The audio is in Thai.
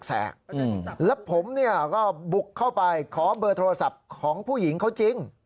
แสกแล้วผมเนี่ยก็บุกเข้าไปขอเบอร์โทรศัพท์ของผู้หญิงเขาจริง